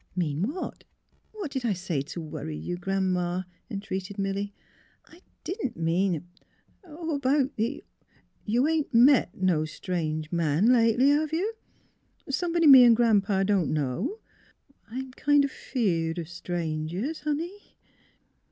'' Mean what? — What did I say to worry you. Gran 'ma? " entreated Milly. " I didn't mean "" About the — the — you ain't met no strange man lately; have you? — Somebody me an' Gran 'pa don't know? I'm kind o' feared of — strangers, honey."